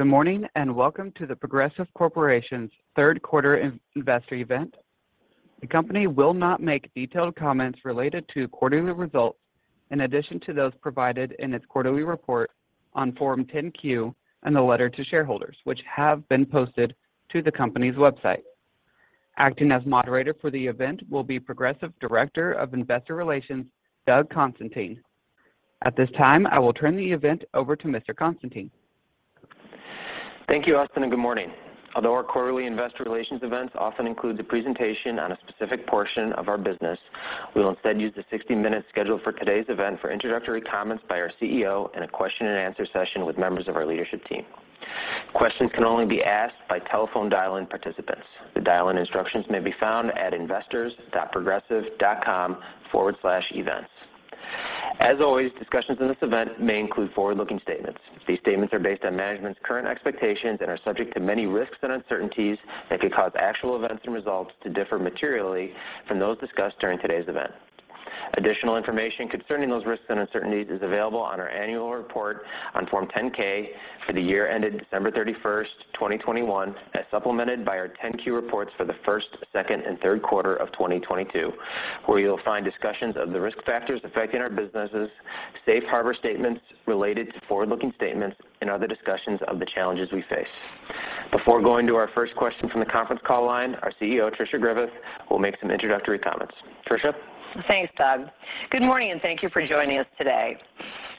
Good morning, and welcome to The Progressive Corporation's third quarter investor event. The company will not make detailed comments related to quarterly results in addition to those provided in its quarterly report on Form 10-Q and the letter to shareholders, which have been posted to the company's website. Acting as moderator for the event will be The Progressive Corporation Director of Investor Relations, Doug Constantine. At this time, I will turn the event over to Mr. Constantine. Thank you, Austin, and good morning. Although our quarterly investor relations events often include the presentation on a specific portion of our business, we will instead use the 60 minutes scheduled for today's event for introductory comments by our CEO and a question and answer session with members of our leadership team. Questions can only be asked by telephone dial-in participants. The dial-in instructions may be found at investors.progressive.com/events. As always, discussions in this event may include forward-looking statements. These statements are based on management's current expectations and are subject to many risks and uncertainties that could cause actual events and results to differ materially from those discussed during today's event. Additional information concerning those risks and uncertainties is available on our annual report on Form 10-K for the year ended December 31st, 2021, as supplemented by our Form 10-Q reports for the first, second, and third quarter of 2022, where you'll find discussions of the risk factors affecting our businesses, safe harbor statements related to forward-looking statements, and other discussions of the challenges we face. Before going to our first question from the conference call line, our CEO, Tricia Griffith, will make some introductory comments. Tricia. Thanks, Doug. Good morning, and thank you for joining us today.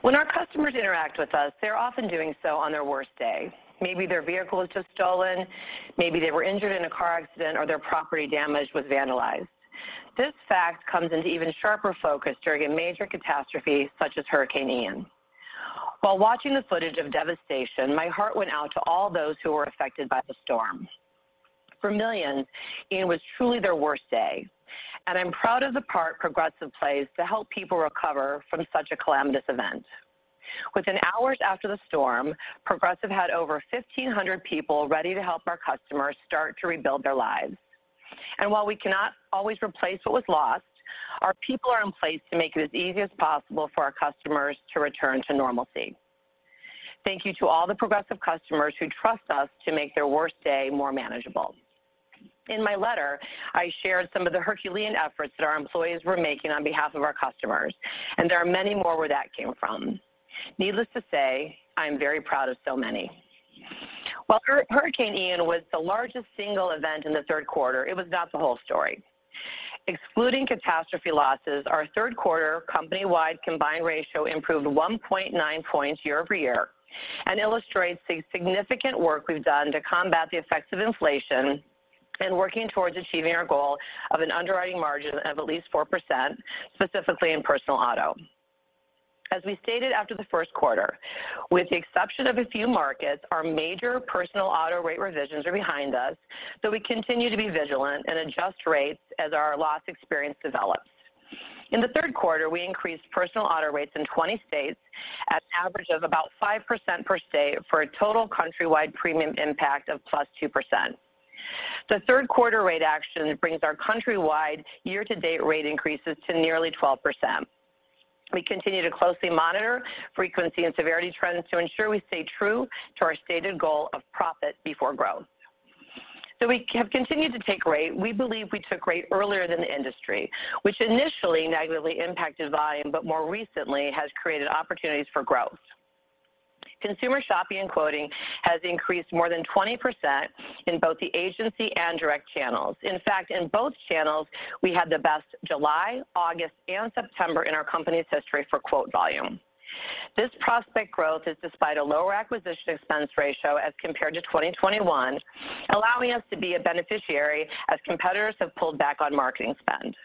When our customers interact with us, they're often doing so on their worst day. Maybe their vehicle was just stolen, maybe they were injured in a car accident or their property was damaged or vandalized. This fact comes into even sharper focus during a major catastrophe such as Hurricane Ian. While watching the footage of devastation, my heart went out to all those who were affected by the storm. For millions, Ian was truly their worst day, and I'm proud of the part Progressive plays to help people recover from such a calamitous event. Within hours after the storm, Progressive had over 1,500 people ready to help our customers start to rebuild their lives. While we cannot always replace what was lost, our people are in place to make it as easy as possible for our customers to return to normalcy. Thank you to all the Progressive customers who trust us to make their worst day more manageable. In my letter, I shared some of the Herculean efforts that our employees were making on behalf of our customers, and there are many more where that came from. Needless to say, I am very proud of so many. While Hurricane Ian was the largest single event in the third quarter, it was not the whole story. Excluding catastrophe losses, our third quarter company-wide combined ratio improved 1.9 points year-over-year and illustrates the significant work we've done to combat the effects of inflation and working towards achieving our goal of an underwriting margin of at least 4%, specifically in personal auto. As we stated after the first quarter, with the exception of a few markets, our major personal auto rate revisions are behind us, so we continue to be vigilant and adjust rates as our loss experience develops. In the third quarter, we increased personal auto rates in 20 states at an average of about 5% per state for a total countrywide premium impact of +2%. The third quarter rate action brings our countrywide year-to-date rate increases to nearly 12%. We continue to closely monitor frequency and severity trends to ensure we stay true to our stated goal of profit before growth. We have continued to take rate. We believe we took rate earlier than the industry, which initially negatively impacted volume, but more recently has created opportunities for growth. Consumer shopping and quoting has increased more than 20% in both the agency and direct channels. In fact, in both channels, we had the best July, August, and September in our company's history for quote volume. This prospect growth is despite a lower acquisition expense ratio as compared to 2021, allowing us to be a beneficiary as competitors have pulled back on marketing spend.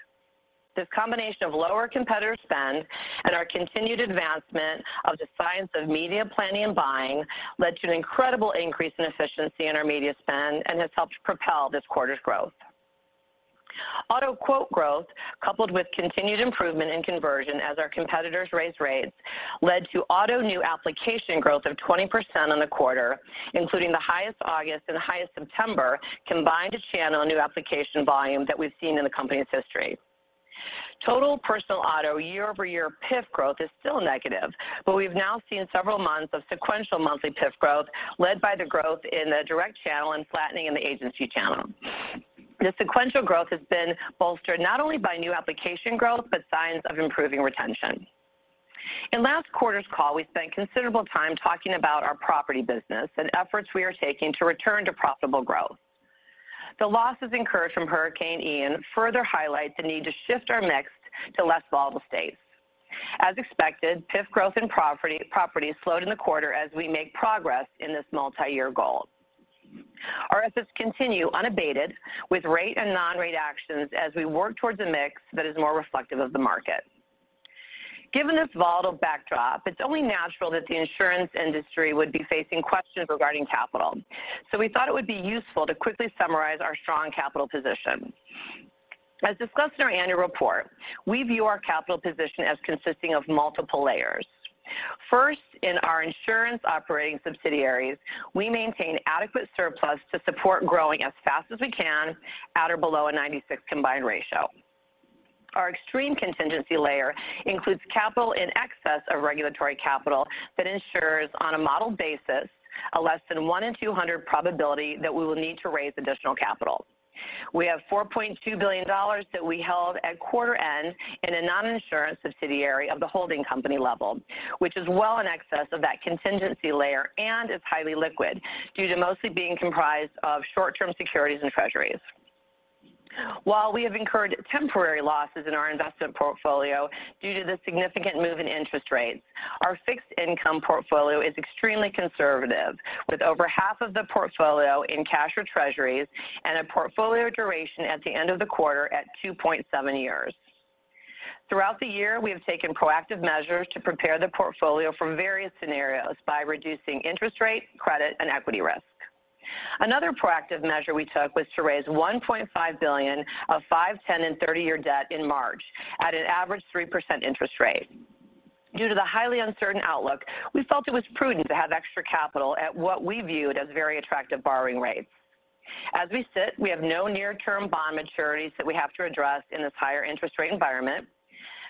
This combination of lower competitor spend and our continued advancement of the science of media planning and buying led to an incredible increase in efficiency in our media spend and has helped propel this quarter's growth. Auto quote growth, coupled with continued improvement in conversion as our competitors raise rates, led to auto new application growth of 20% on the quarter, including the highest August and highest September combined two-channel new application volume that we've seen in the company's history. Total personal auto year-over-year PIF growth is still negative, but we've now seen several months of sequential monthly PIF growth led by the growth in the direct channel and flattening in the agency channel. The sequential growth has been bolstered not only by new application growth, but signs of improving retention. In last quarter's call, we spent considerable time talking about our property business and efforts we are taking to return to profitable growth. The losses incurred from Hurricane Ian further highlight the need to shift our mix to less volatile states. As expected, PIF growth in property slowed in the quarter as we make progress in this multi-year goal. Our efforts continue unabated with rate and non-rate actions as we work towards a mix that is more reflective of the market. Given this volatile backdrop, it's only natural that the insurance industry would be facing questions regarding capital. We thought it would be useful to quickly summarize our strong capital position. As discussed in our annual report, we view our capital position as consisting of multiple layers. First, in our insurance operating subsidiaries, we maintain adequate surplus to support growing as fast as we can at or below a 96 combined ratio. Our extreme contingency layer includes capital in excess of regulatory capital that ensures on a model basis a less than one in 200 probability that we will need to raise additional capital. We have $4.2 billion that we held at quarter end in a non-insurance subsidiary of the holding company level, which is well in excess of that contingency layer and is highly liquid due to mostly being comprised of short-term securities and treasuries. While we have incurred temporary losses in our investment portfolio due to the significant move in interest rates, our fixed income portfolio is extremely conservative with over half of the portfolio in cash or treasuries and a portfolio duration at the end of the quarter at 2.7 years. Throughout the year, we have taken proactive measures to prepare the portfolio from various scenarios by reducing interest rate, credit, and equity risk. Another proactive measure we took was to raise $1.5 billion of five, 10, and 30-year debt in March at an average 3% interest rate. Due to the highly uncertain outlook, we felt it was prudent to have extra capital at what we viewed as very attractive borrowing rates. As we sit, we have no near-term bond maturities that we have to address in this higher interest rate environment.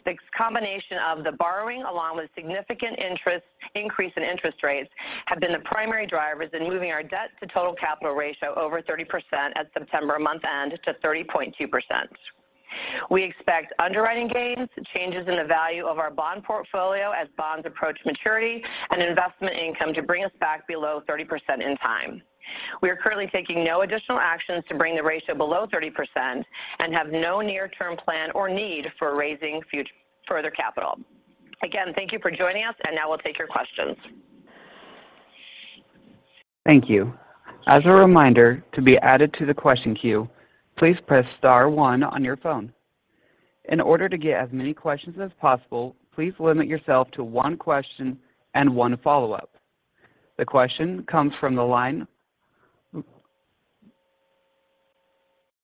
The combination of the borrowing along with significant interest increase in interest rates have been the primary drivers in moving our debt to total capital ratio over 30% at September month end to 30.2%. We expect underwriting gains, changes in the value of our bond portfolio as bonds approach maturity and investment income to bring us back below 30% in time. We are currently taking no additional actions to bring the ratio below 30% and have no near-term plan or need for raising further capital. Again, thank you for joining us, and now we'll take your questions. Thank you. As a reminder, to be added to the question queue, please press star one on your phone. In order to get as many questions as possible, please limit yourself to one question and one follow-up. The question comes from the line.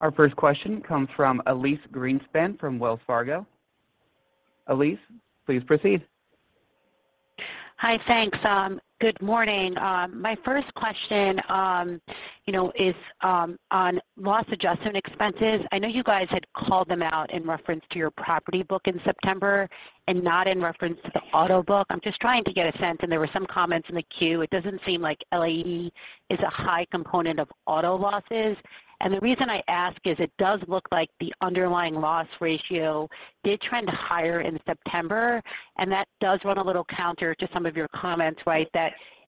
Our first question comes from Elyse Greenspan from Wells Fargo. Elyse, please proceed. Hi. Thanks. Good morning. My first question, you know, is on loss adjustment expenses. I know you guys had called them out in reference to your property book in September and not in reference to the auto book. I'm just trying to get a sense, and there were some comments in the queue. It doesn't seem like LAE is a high component of auto losses. The reason I ask is it does look like the underlying loss ratio did trend higher in September, and that does run a little counter to some of your comments, right?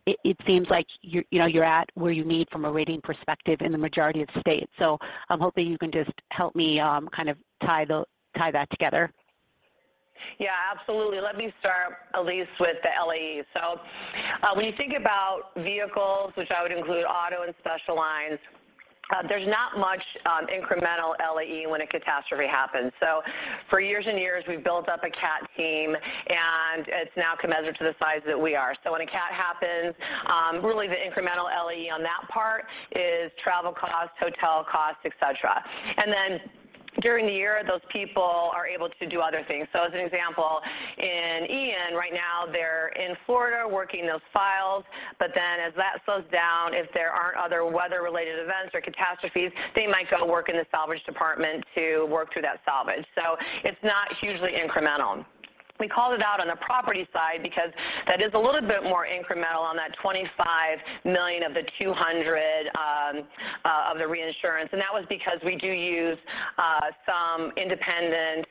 It seems like you're, you know, you're at where you need from a rating perspective in the majority of states. I'm hoping you can just help me kind of tie that together. Yeah, absolutely. Let me start, Elyse, with the LAE. When you think about vehicles, which I would include auto and special lines, there's not much incremental LAE when a catastrophe happens. For years and years, we've built up a cat team, and it's now commensurate to the size that we are. When a cat happens, really the incremental LAE on that part is travel costs, hotel costs, et cetera. Then during the year, those people are able to do other things. As an example, in Ian, right now, they're in Florida working those files. Then as that slows down, if there aren't other weather-related events or catastrophes, they might go work in the salvage department to work through that salvage. It's not hugely incremental. We called it out on the property side because that is a little bit more incremental on that $25 million of the $200 million of the reinsurance. That was because we do use some independent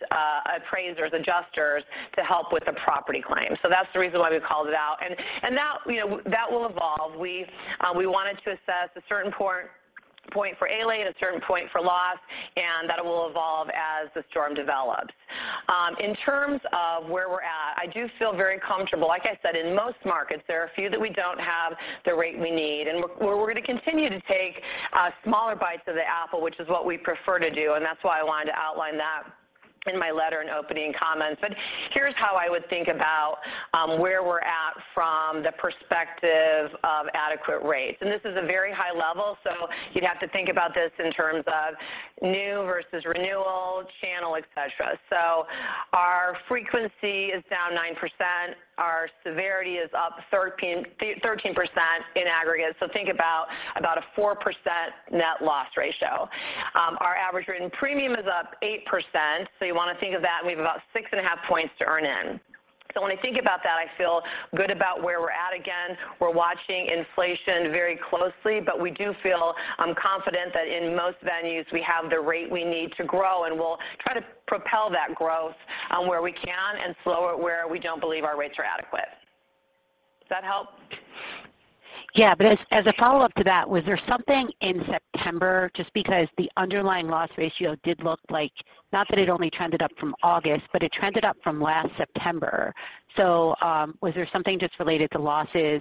appraisers, adjusters to help with the property claims. That's the reason why we called it out. That, you know, will evolve. We wanted to assess a certain point for ALAE and a certain point for loss, and that will evolve as the storm develops. In terms of where we're at, I do feel very comfortable. Like I said, in most markets, there are a few that we don't have the rate we need. We're gonna continue to take smaller bites of the apple, which is what we prefer to do, and that's why I wanted to outline that in my letter and opening comments. Here's how I would think about where we're at from the perspective of adequate rates. This is a very high level, so you'd have to think about this in terms of new versus renewal, channel, et cetera. Our frequency is down 9%. Our severity is up 13% in aggregate. Think about a 4% net loss ratio. Our average written premium is up 8%, so you want to think of that, and we have about six and a half points to earn in. When I think about that, I feel good about where we're at, again. We're watching inflation very closely, but we do feel, I'm confident that in most venues we have the rate we need to grow, and we'll try to propel that growth, where we can and slow it where we don't believe our rates are adequate. Does that help? Yeah. As a follow-up to that, was there something in September just because the underlying loss ratio did look like not that it only trended up from August, but it trended up from last September. Was there something just related to losses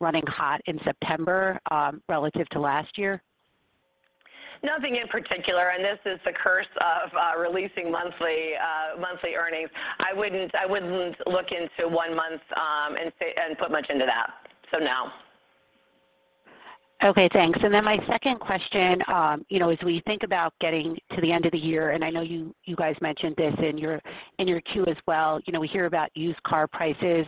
running hot in September relative to last year? Nothing in particular. This is the curse of releasing monthly earnings. I wouldn't look into one month and put much into that. No. Okay, thanks. My second question, you know, as we think about getting to the end of the year, and I know you guys mentioned this in your Form 10-Q as well, you know, we hear about used car prices,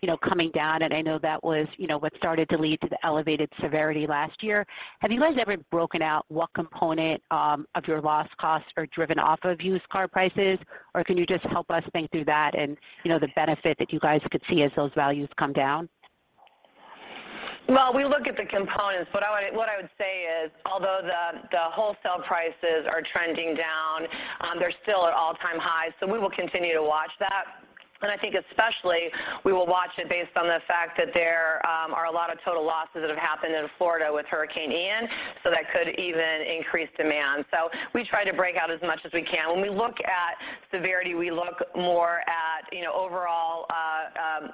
you know, coming down, and I know that was, you know, what started to lead to the elevated severity last year. Have you guys ever broken out what component of your loss costs are driven off of used car prices? Or can you just help us think through that and, you know, the benefit that you guys could see as those values come down? Well, we look at the components, but what I would say is, although the wholesale prices are trending down, they're still at all-time highs, so we will continue to watch that. I think especially we will watch it based on the fact that there are a lot of total losses that have happened in Florida with Hurricane Ian, so that could even increase demand. We try to break out as much as we can. When we look at severity, we look more at, you know, overall,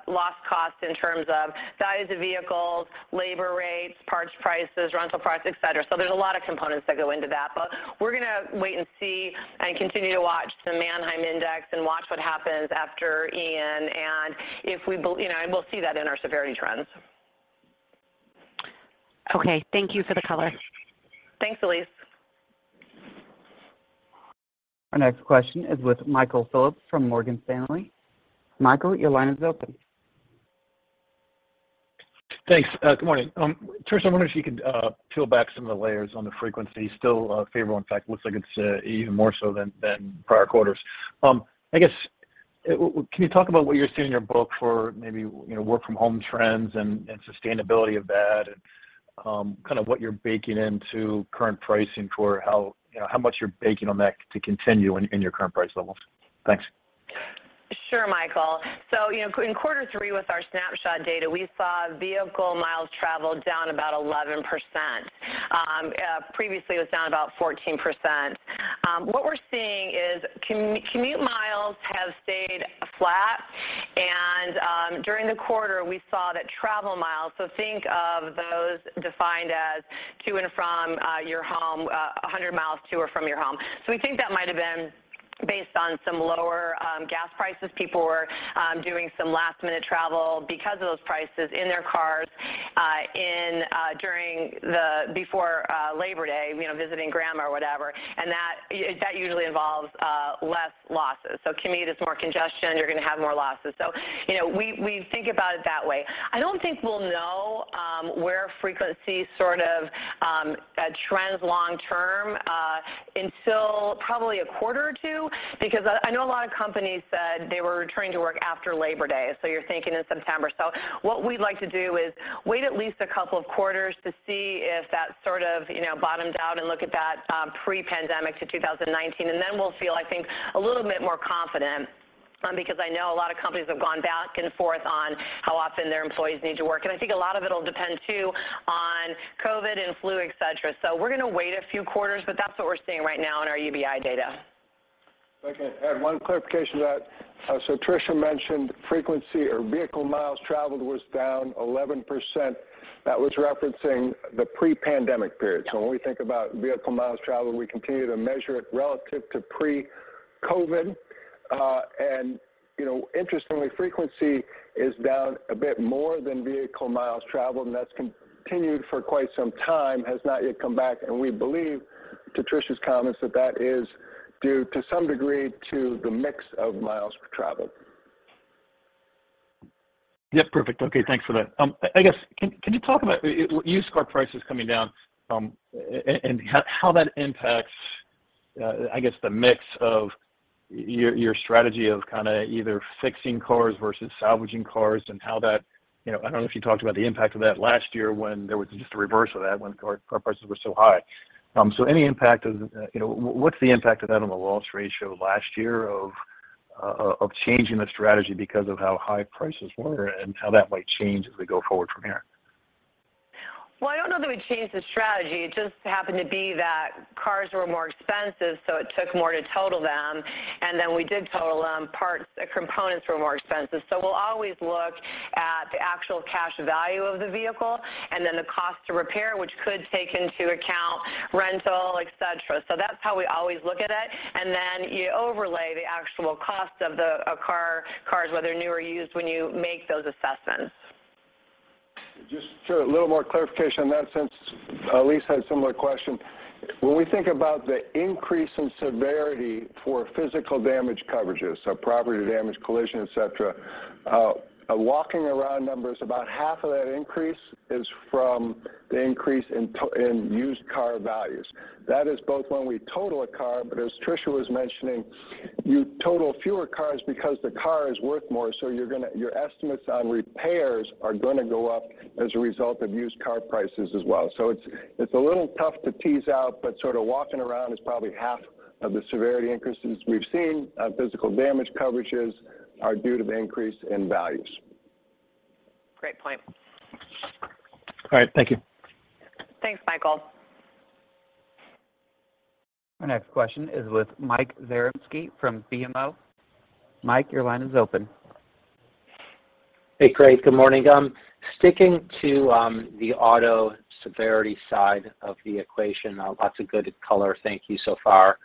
loss costs in terms of size of vehicles, labor rates, parts prices, rental prices, et cetera. There's a lot of components that go into that. We're gonna wait and see and continue to watch the Manheim Index and watch what happens after Ian. You know, we'll see that in our severity trends. Okay. Thank you for the color. Thanks, Elyse. Our next question is with Michael Phillips from Morgan Stanley. Michael, your line is open. Thanks. Good morning. Tricia, I wonder if you could peel back some of the layers on the frequency. Still favorable. In fact, looks like it's even more so than prior quarters. I guess, can you talk about what you're seeing in your book for maybe, you know, work from home trends and sustainability of that and kind of what you're baking into current pricing for how, you know, how much you're baking on that to continue in your current price levels? Thanks. Sure, Michael. You know, in quarter three with our Snapshot data, we saw vehicle miles traveled down about 11%. Previously it was down about 14%. What we're seeing is commute miles have stayed flat, and during the quarter, we saw that travel miles, so think of those defined as to and from your home, 100 miles to or from your home. We think that might have been based on some lower gas prices. People were doing some last-minute travel because of those prices in their cars before Labor Day, you know, visiting grandma or whatever. That usually involves less losses. Commute is more congestion, you're gonna have more losses. You know, we think about it that way. I don't think we'll know where frequency sort of trends long term until probably a quarter or two because I know a lot of companies said they were returning to work after Labor Day, you're thinking in September. What we'd like to do is wait at least a couple of quarters to see if that sort of, you know, bottoms out and look at that pre-pandemic to 2019, and then we'll feel, I think, a little bit more confident because I know a lot of companies have gone back and forth on how often their employees need to work. I think a lot of it will depend too on COVID and flu, et cetera. We're gonna wait a few quarters, but that's what we're seeing right now in our UBI data. If I can add one clarification to that. Tricia mentioned frequency or vehicle miles traveled was down 11%. That was referencing the pre-pandemic period. When we think about vehicle miles traveled, we continue to measure it relative to pre-COVID. You know, interestingly, frequency is down a bit more than vehicle miles traveled, and that's continued for quite some time, has not yet come back. We believe, to Tricia's comments, that that is due to some degree to the mix of miles traveled. Yeah, perfect. Okay, thanks for that. I guess, can you talk about used car prices coming down, and how that impacts, I guess the mix of your strategy of kinda either fixing cars versus salvaging cars and how that, you know, I don't know if you talked about the impact of that last year when there was just a reverse of that when car prices were so high. So any impact of, you know, what's the impact of that on the loss ratio last year of changing the strategy because of how high prices were and how that might change as we go forward from here? Well, I don't know that we changed the strategy. It just happened to be that cars were more expensive, so it took more to total them. We did total them. Parts, components were more expensive. We'll always look at the actual cash value of the vehicle and then the cost to repair, which could take into account rental, et cetera. That's how we always look at it. You overlay the actual cost of a car, whether new or used, when you make those assessments. Just a little more clarification on that since Elyse had a similar question. When we think about the increase in severity for physical damage coverages, so property damage, collision, et cetera, walking around numbers, about half of that increase is from the increase in used car values. That is both when we total a car, but as Tricia was mentioning, you total fewer cars because the car is worth more, so your estimates on repairs are gonna go up as a result of used car prices as well. It's a little tough to tease out, but sort of walking around is probably half of the severity increases we've seen on physical damage coverages are due to the increase in values. Great point. All right. Thank you. Thanks, Michael. Our next question is with Michael Zaremski from BMO Capital Markets. Mike, your line is open. Hey, great. Good morning. Sticking to the auto severity side of the equation, lots of good color. Thank you so far.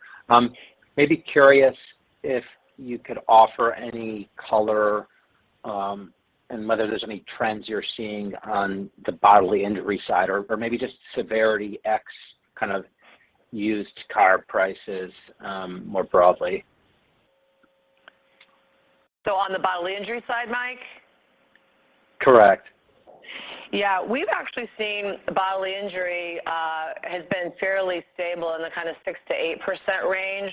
Maybe curious if you could offer any color, and whether there's any trends you're seeing on the bodily injury side or maybe just severity X kind of used car prices, more broadly. On the bodily injury side, Mike? Correct. Yeah. We've actually seen bodily injury has been fairly stable in the kind of 6% to 8% range.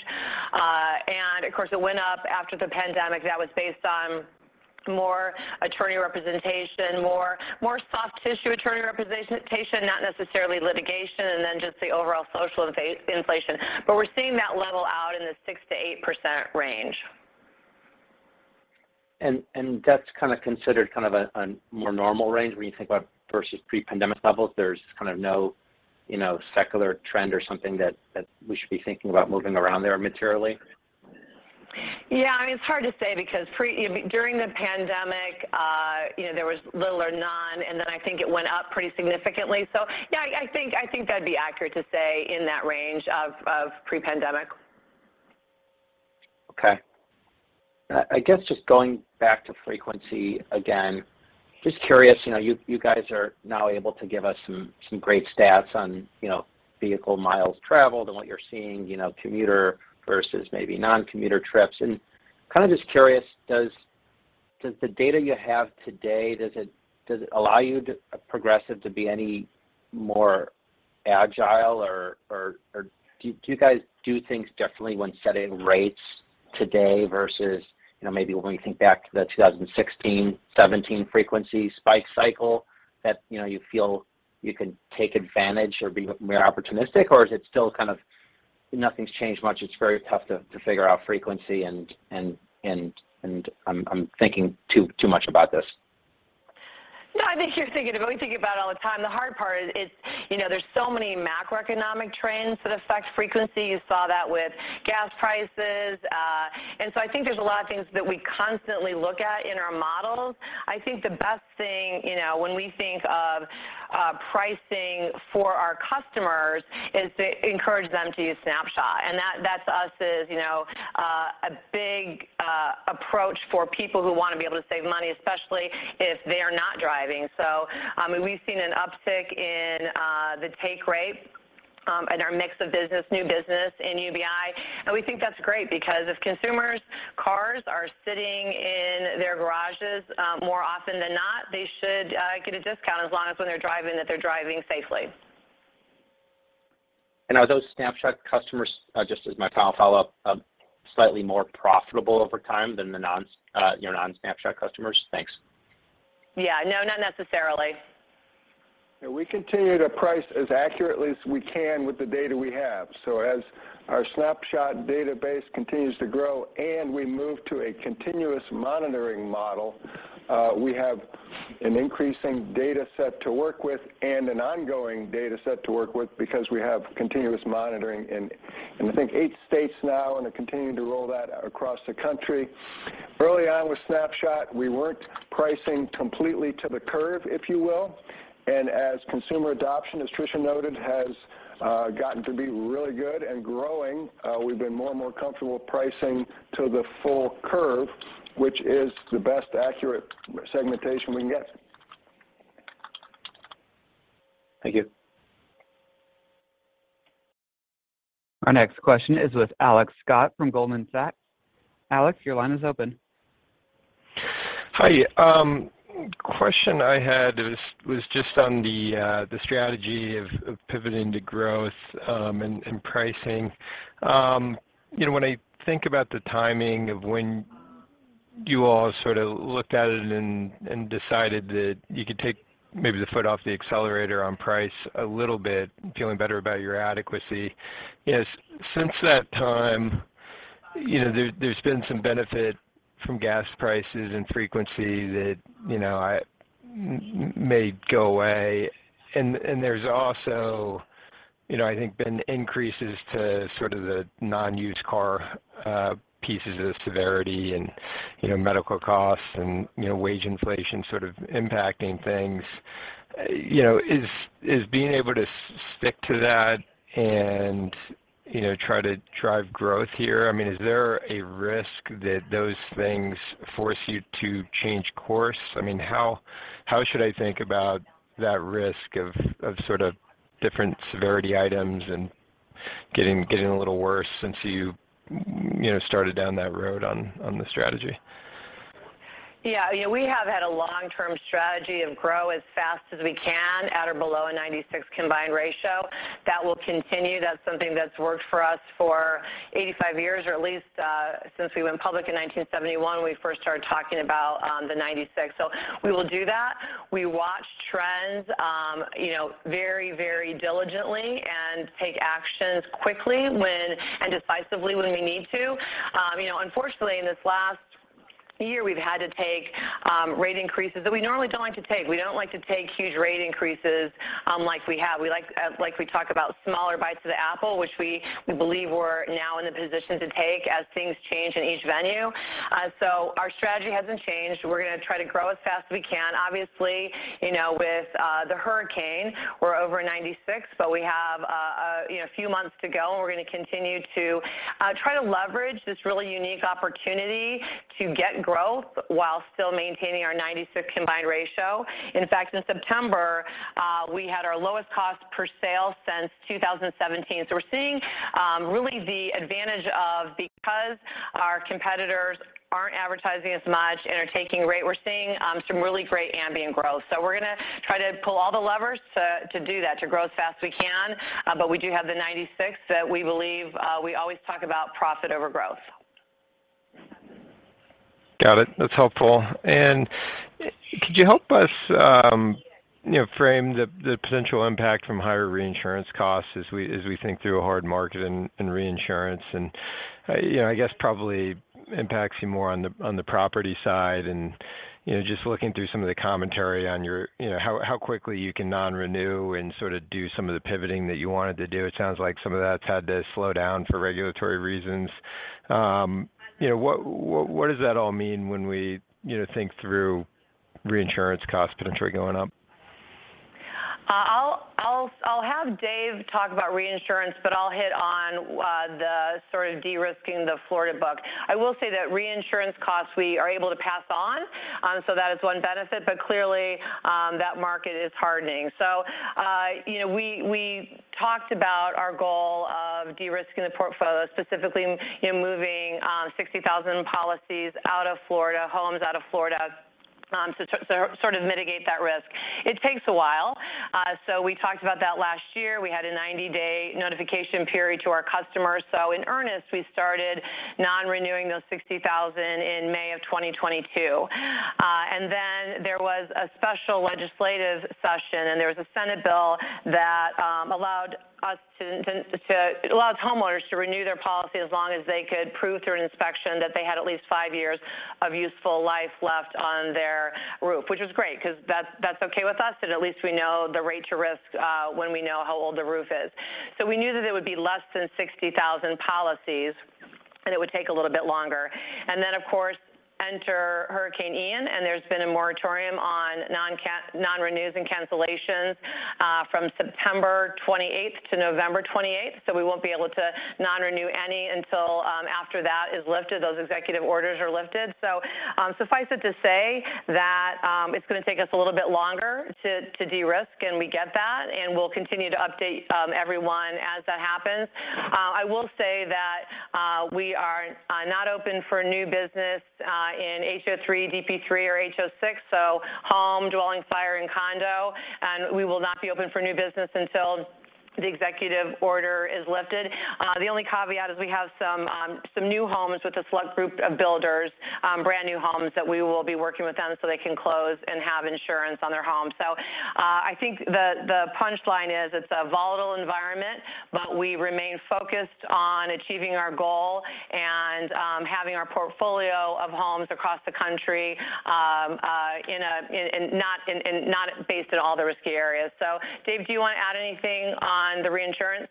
Of course, it went up after the pandemic. That was based on more attorney representation, more soft tissue attorney representation, not necessarily litigation, and then just the overall social inflation. We're seeing that level out in the 6% to 8% range. that's kinda considered kind of a more normal range when you think about versus pre-pandemic levels? There's kind of no, you know, secular trend or something that we should be thinking about moving around there materially? Yeah. I mean, it's hard to say because I mean, during the pandemic, you know, there was little or none, and then I think it went up pretty significantly. Yeah, I think that'd be accurate to say in that range of pre-pandemic. Okay. I guess just going back to frequency again. Just curious, you know, you guys are now able to give us some great stats on, you know, vehicle miles traveled and what you're seeing, you know, commuter versus maybe non-commuter trips. Kind of just curious, does the data you have today, does it allow Progressive to be any more agile or do you guys do things differently when setting rates today versus, you know, maybe when we think back to the 2016, 2017 frequency spike cycle that you feel you can take advantage or be more opportunistic, or is it still kind of nothing's changed much, it's very tough to figure out frequency and I'm thinking too much about this? No, we think about it all the time. The hard part is, you know, there's so many macroeconomic trends that affect frequency. You saw that with gas prices. I think there's a lot of things that we constantly look at in our models. I think the best thing, you know, when we think of pricing for our customers is to encourage them to use Snapshot. That to us is, you know, a big approach for people who wanna be able to save money, especially if they are not driving. I mean, we've seen an uptick in the take rate in our mix of business, new business in UBI, and we think that's great because if consumers' cars are sitting in their garages more often than not, they should get a discount as long as when they're driving, that they're driving safely. Are those Snapshot customers, just as my final follow-up, slightly more profitable over time than the, you know, non-Snapshot customers? Thanks. Yeah. No, not necessarily. Yeah, we continue to price as accurately as we can with the data we have. As our Snapshot database continues to grow and we move to a continuous monitoring model, we have an increasing data set to work with and an ongoing data set to work with because we have continuous monitoring in, and I think eight states now and are continuing to roll that out across the country. Early on with Snapshot, we weren't pricing completely to the curve, if you will, and as consumer adoption, as Tricia noted, has gotten to be really good and growing, we've been more and more comfortable pricing to the full curve, which is the best accurate segmentation we can get. Thank you. Our next question is with Alex Scott from Goldman Sachs. Alex, your line is open. Hi. Question I had was just on the strategy of pivoting to growth and pricing. You know, when I think about the timing of when you all sort of looked at it and decided that you could take maybe the foot off the accelerator on price a little bit, feeling better about your adequacy, you know, since that time, you know, there's been some benefit from gas prices and frequency that, you know, I may go away. There's also, you know, I think been increases to sort of the non-used car pieces of the severity and, you know, medical costs and, you know, wage inflation sort of impacting things. You know, is being able to stick to that and, you know, try to drive growth here, I mean, is there a risk that those things force you to change course? I mean, how should I think about that risk of sort of different severity items and getting a little worse since you know, started down that road on the strategy? Yeah. You know, we have had a long-term strategy of grow as fast as we can at or below a 96% combined ratio. That will continue. That's something that's worked for us for 85 years or at least since we went public in 1971, when we first started talking about the 96. We will do that. We watch trends, you know, very, very diligently and take actions quickly and decisively when we need to. You know, unfortunately, in this last year, we've had to take rate increases that we normally don't like to take. We don't like to take huge rate increases like we have. We like we talk about smaller bites of the apple, which we believe we're now in a position to take as things change in each venue. Our strategy hasn't changed. We're gonna try to grow as fast as we can. Obviously, you know, with the hurricane, we're over 96%, but we have a few months to go, and we're going to continue to try to leverage this really unique opportunity to get growth while still maintaining our 96% combined ratio. In fact, in September, we had our lowest cost per sale since 2017. We're seeing really the advantage of because our competitors aren't advertising as much and are taking rate, we're seeing some really great ambient growth. We're gonna try to pull all the levers to do that, to grow as fast as we can. We do have the 96% that we believe we always talk about profit over growth. Got it. That's helpful. Could you help us, you know, frame the potential impact from higher reinsurance costs as we think through a hard market and reinsurance? You know, I guess probably impacts you more on the property side. You know, just looking through some of the commentary on your, you know, how quickly you can non-renew and sort of do some of the pivoting that you wanted to do. It sounds like some of that's had to slow down for regulatory reasons. You know, what does that all mean when we, you know, think through reinsurance cost potentially going up? I'll have Dave talk about reinsurance, but I'll hit on the sort of de-risking the Florida book. I will say that reinsurance costs we are able to pass on, so that is one benefit. Clearly, that market is hardening. You know, we talked about our goal of de-risking the portfolio, specifically, you know, moving 60,000 policies out of Florida, homes out of Florida, to sort of mitigate that risk. It takes a while. We talked about that last year. We had a 90-day notification period to our customers. In earnest, we started non-renewing those 60,000 in May of 2022. There was a special legislative session, and there was a Senate bill that allowed homeowners to renew their policy as long as they could prove through an inspection that they had at least five years of useful life left on their roof, which was great because that's okay with us that at least we know the rate to risk when we know how old the roof is. We knew that it would be less than 60,000 policies, and it would take a little bit longer. Of course, enter Hurricane Ian, and there's been a moratorium on non-renews and cancellations from September twenty-eighth to November 28th. We won't be able to non-renew any until after that is lifted, those executive orders are lifted. Suffice it to say that it's gonna take us a little bit longer to de-risk, and we get that, and we'll continue to update everyone as that happens. I will say that we are not open for new business in HO-3, DP-3, or HO-6, so home, dwelling, fire, and condo. We will not be open for new business until the executive order is lifted. The only caveat is we have some new homes with a select group of builders, brand-new homes that we will be working with them so they can close and have insurance on their home. I think the punchline is it's a volatile environment, but we remain focused on achieving our goal and having our portfolio of homes across the country in, not based in all the risky areas. Dave, do you want to add anything on the reinsurance?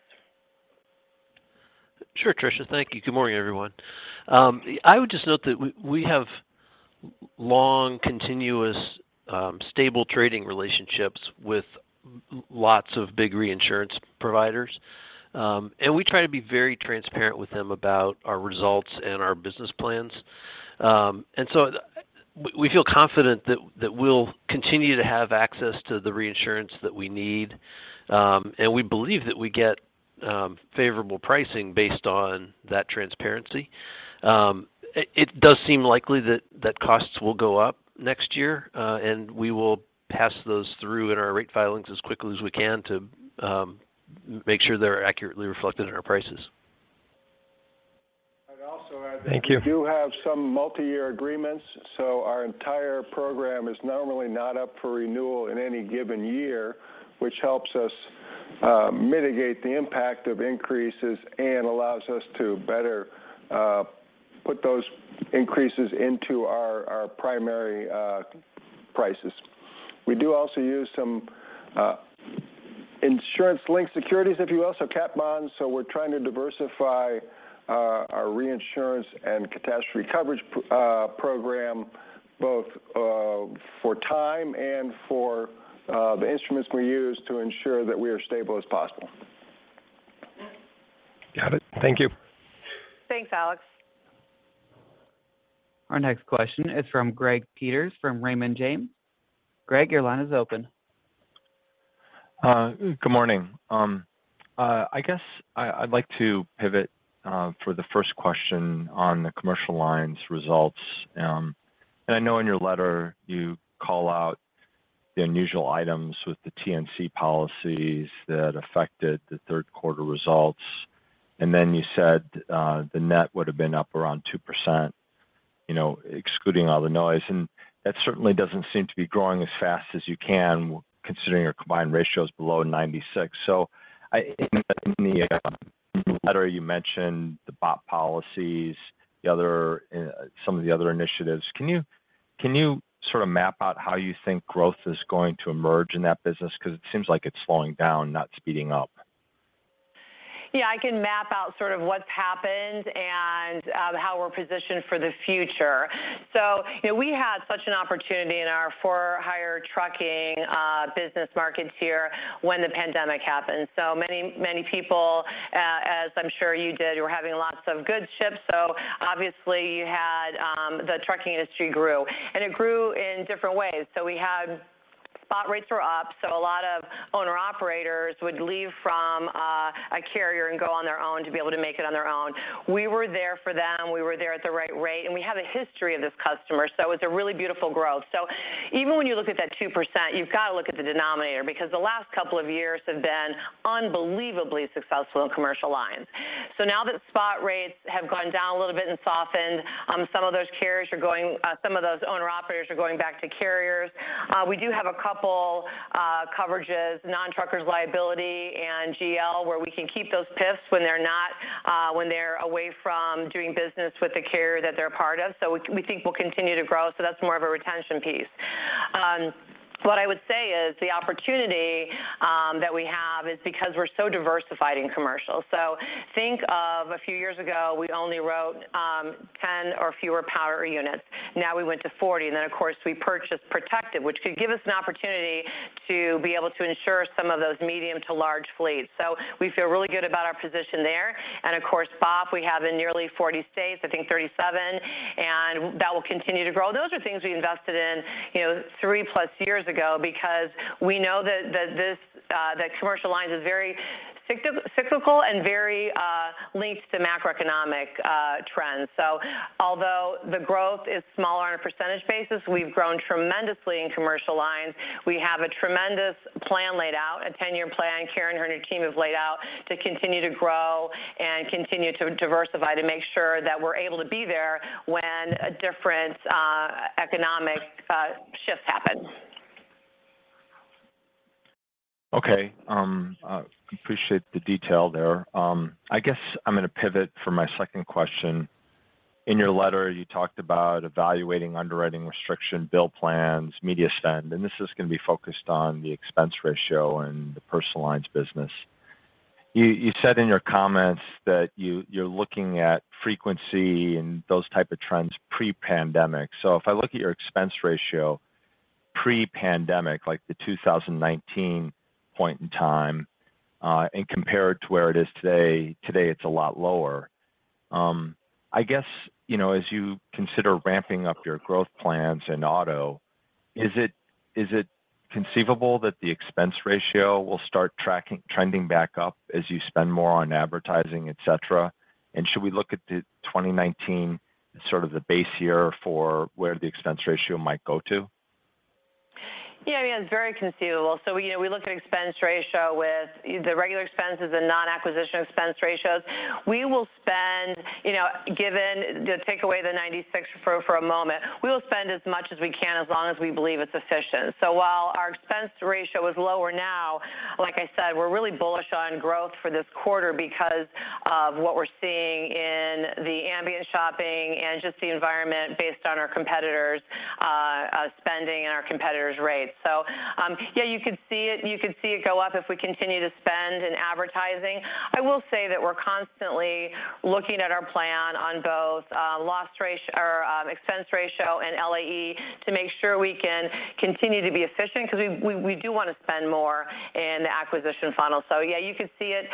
Sure, Tricia. Thank you. Good morning, everyone. I would just note that we have long, continuous, stable trading relationships with lots of big reinsurance providers. We try to be very transparent with them about our results and our business plans. We feel confident that we'll continue to have access to the reinsurance that we need. We believe that we get favorable pricing based on that transparency. It does seem likely that costs will go up next year, and we will pass those through in our rate filings as quickly as we can to make sure they're accurately reflected in our prices. I'd also add that. Thank you. We do have some multi-year agreements, so our entire program is normally not up for renewal in any given year, which helps us mitigate the impact of increases and allows us to better put those increases into our primary prices. We do also use some insurance-linked securities, if you will, so cat bonds. We're trying to diversify our reinsurance and catastrophe coverage program both for time and for the instruments we use to ensure that we are stable as possible. Got it. Thank you. Thanks, Alex. Our next question is from Gregory Peters from Raymond James. Greg, your line is open. Good morning. I guess I'd like to pivot for the first question on the Commercial Lines results. I know in your letter, you call out the unusual items with the TNC policies that affected the third quarter results. You said the net would have been up around 2%, you know, excluding all the noise. That certainly doesn't seem to be growing as fast as you can, considering your combined ratio is below 96. In the letter you mentioned the BOP policies, some of the other initiatives. Can you sort of map out how you think growth is going to emerge in that business. It seems like it's slowing down, not speeding up. Yeah, I can map out sort of what's happened and, how we're positioned for the future. You know, we had such an opportunity in our for-hire trucking business markets here when the pandemic happened. Many people, as I'm sure you did, were having lots of good shipments. Obviously you had, the trucking industry grew, and it grew in different ways. We had spot rates were up, so a lot of owner-operators would leave from a carrier and go on their own to be able to make it on their own. We were there for them. We were there at the right rate, and we have a history of this customer, so it's a really beautiful growth. Even when you look at that 2%, you've got to look at the denominator because the last couple of years have been unbelievably successful in Commercial Lines. Now that spot rates have gone down a little bit and softened, some of those owner-operators are going back to carriers. We do have a couple coverages, non-trucking liability and GL, where we can keep those PIFs when they're away from doing business with the carrier that they're a part of. We think we'll continue to grow, so that's more of a retention piece. What I would say is the opportunity that we have is because we're so diversified in commercial. Think of a few years ago, we only wrote 10 or fewer power units. Now we went to 40, and then of course, we purchased Protective, which could give us an opportunity to be able to insure some of those medium to large fleets. We feel really good about our position there. Of course, BOP, we have in nearly 40 states, I think 37, and that will continue to grow. Those are things we invested in, you know, 3+ years ago because we know that Commercial Lines is very cyclical and very linked to macroeconomic trends. Although the growth is smaller on a percentage basis, we've grown tremendously in Commercial Lines. We have a tremendous plan laid out, a 10-year plan Karen and her new team have laid out to continue to grow and continue to diversify to make sure that we're able to be there when a different economic shift happens. Okay. I appreciate the detail there. I guess I'm going to pivot for my second question. In your letter, you talked about evaluating underwriting restriction, bill plans, media spend, and this is going to be focused on the expense ratio and the Personal Lines business. You said in your comments that you're looking at frequency and those type of trends pre-pandemic. If I look at your expense ratio pre-pandemic, like the 2019 point in time, and compare it to where it is today it's a lot lower. I guess, you know, as you consider ramping up your growth plans in auto, is it conceivable that the expense ratio will start trending back up as you spend more on advertising, et cetera? Should we look at the 2019 sort of the base year for where the expense ratio might go to? Yeah. Yeah, it's very conceivable. You know, we look at expense ratio with the regular expenses and non-acquisition expense ratios. We will spend, you know, take away the 96 for a moment. We will spend as much as we can, as long as we believe it's efficient. While our expense ratio is lower now, like I said, we're really bullish on growth for this quarter because of what we're seeing in the ambient shopping and just the environment based on our competitors' spending and our competitors' rates. Yeah, you could see it go up if we continue to spend in advertising. I will say that we're constantly looking at our plan on both expense ratio and LAE to make sure we can continue to be efficient because we do want to spend more in the acquisition funnel. Yeah, you could see it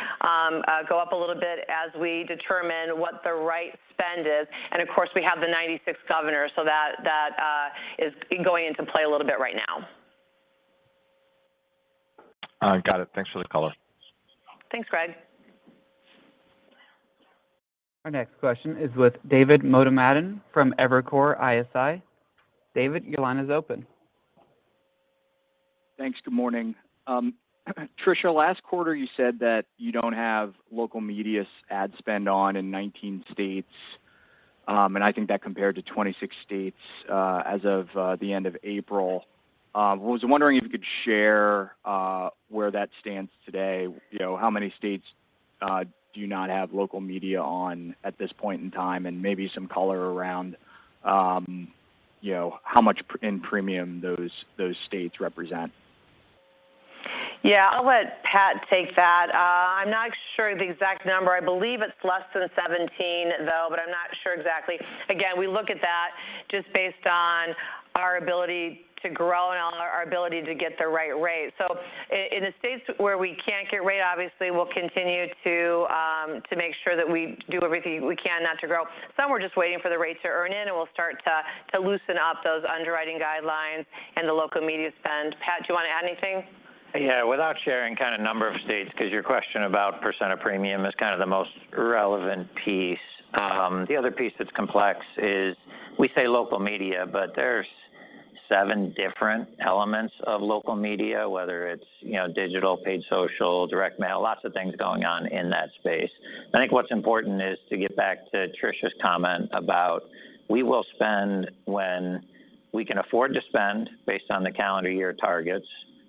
go up a little bit as we determine what the right spend is. Of course, we have the 96 governor, so that is going into play a little bit right now. Got it. Thanks for the color. Thanks, Greg. Our next question is with David Motemaden from Evercore ISI. David, your line is open. Thanks. Good morning. Tricia, last quarter you said that you don't have local media ad spend in 19 states, and I think that compared to 26 states, as of the end of April. I was wondering if you could share where that stands today. You know, how many states do you not have local media on at this point in time? Maybe some color around, you know, how much in premium those states represent. Yeah, I'll let Pat take that. I'm not sure the exact number. I believe it's less than 17, though, but I'm not sure exactly. Again, we look at that just based on our ability to grow and our ability to get the right rate. In the states where we can't get rate, obviously, we'll continue to make sure that we do everything we can not to grow. Some we're just waiting for the rate to earn in, and we'll start to loosen up those underwriting guidelines and the local media spend. Pat, do you want to add anything? Yeah. Without sharing kind of number of states, beecause your question about percent of premium is kind of the most relevant piece. The other piece that's complex is we say local media, but there's seven different elements of local media, whether it's, you know, digital, paid social, direct mail, lots of things going on in that space. I think what's important is to get back to Tricia's comment about we will spend when we can afford to spend based on the calendar year targets,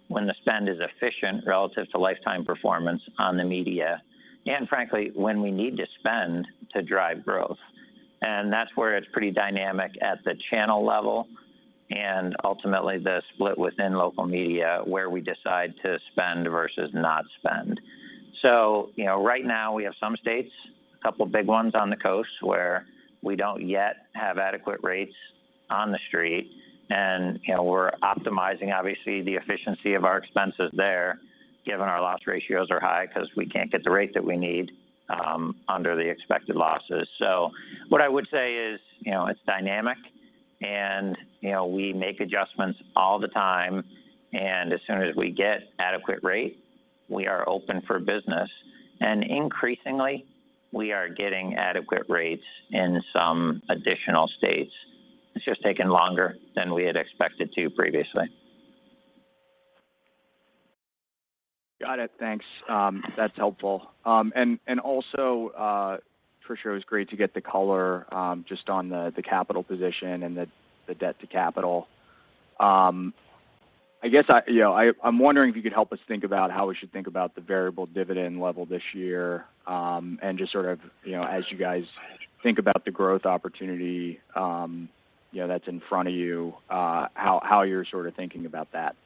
when the spend is efficient relative to lifetime performance on the media, and frankly, when we need to spend to drive growth. That's where it's pretty dynamic at the channel level, and ultimately the split within local media where we decide to spend versus not spend. You know, right now we have some states, a couple of big ones on the coast, where we don't yet have adequate rates on the street, and, you know, we're optimizing obviously the efficiency of our expenses there, given our loss ratios are high because we can't get the rate that we need under the expected losses. What I would say is, you know, it's dynamic, and, you know, we make adjustments all the time, and as soon as we get adequate rate, we are open for business. Increasingly, we are getting adequate rates in some additional states. It's just taken longer than we had expected to previously. Got it. Thanks. That's helpful. And also, Tricia, it was great to get the color just on the capital position and the debt to capital. I guess, you know, I'm wondering if you could help us think about how we should think about the variable dividend level this year, and just sort of, you know, as you guys think about the growth opportunity, you know, that's in front of you, how you're sort of thinking about that.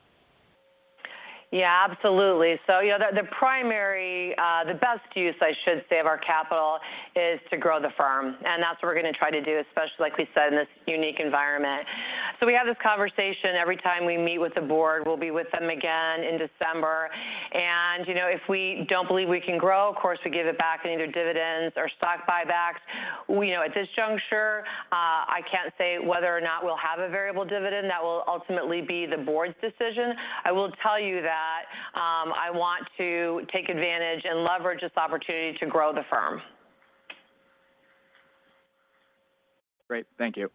Yeah, absolutely. You know, the primary, the best use I should say, of our capital is to grow the firm. That's what we're going to try to do, especially like we said, in this unique environment. We have this conversation every time we meet with the board, we'll be with them again in December. You know, if we don't believe we can grow, of course, we give it back in either dividends or stock buybacks. You know, at this juncture, I can't say whether or not we'll have a variable dividend. That will ultimately be the board's decision. I will tell you that, I want to take advantage and leverage this opportunity to grow the firm. Great. Thank you.